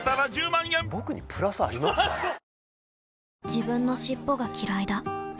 自分の尻尾がきらいだ